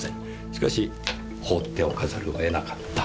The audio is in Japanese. しかし放っておかざるをえなかった。